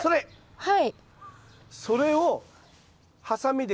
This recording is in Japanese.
はい。